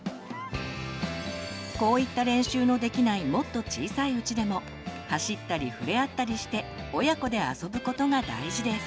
こういった練習のできないもっと小さいうちでも走ったりふれあったりして親子で遊ぶことが大事です。